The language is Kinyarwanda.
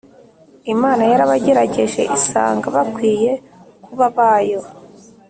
Imana yarabagerageje isanga bakwiye kuba abayo;